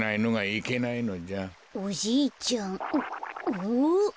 おっ？